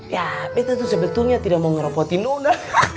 ya bete tuh sebetulnya tidak mau ngerapotin rona